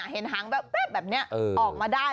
เห็นหางแบบแบบเนี่ยออกมาได้